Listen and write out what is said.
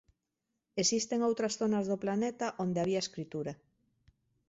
Existen outras zonas do planeta onde había escritura.